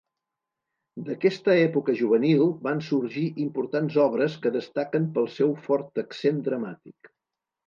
D'aquesta època juvenil van sorgir importants obres que destaquen pel seu fort accent dramàtic.